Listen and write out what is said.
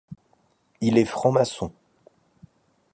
Il est franc-maçon.